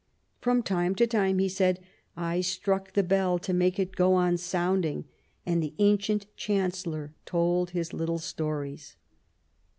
" From time to time," he said, " I struck the bell to make it go on sounding. ..." And the ancient Chancellor told his little stories.